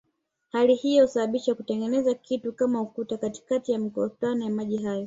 Hali hiyo husababisha kutengenezwa kitu kama ukuta katikati ya makutano ya maji hayo